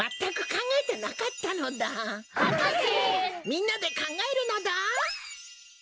みんなでかんがえるのだ。